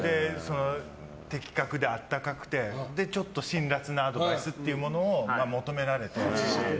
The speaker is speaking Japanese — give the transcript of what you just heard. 的確で温かくて、ちょっと辛辣なアドバイスというものを求められて。